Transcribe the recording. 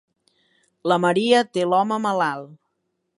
La Maria té l'home malalt.